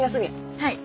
はい。